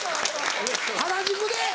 原宿で！